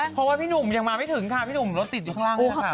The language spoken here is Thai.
เพราะว่าพี่หนุ่มยังมาไม่ถึงค่ะพี่หนุ่มรถติดอยู่ข้างล่างนี่แหละค่ะ